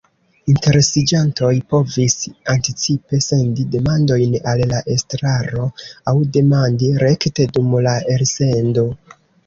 Interesiĝantoj povis anticipe sendi demandojn al la estraro, aŭ demandi rekte dum la elsendo.